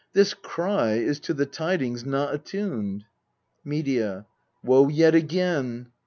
This cry is to the tidings not attuned. Medea. Woe yet again